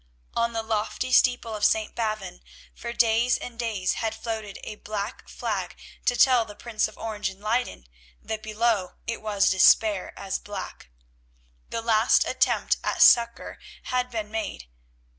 On the lofty steeple of St. Bavon for days and days had floated a black flag to tell the Prince of Orange in Leyden that below it was despair as black. The last attempt at succour had been made.